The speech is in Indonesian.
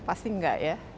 pasti enggak ya